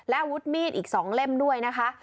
และอาวุธมีดอีก๒เล่มด้วยนะคะ